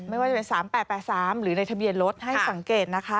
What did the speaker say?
ไม่ว่าจะเป็น๓๘๘๓หรือในทะเบียนรถให้สังเกตนะคะ